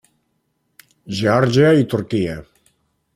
Geòrgia i Turquia.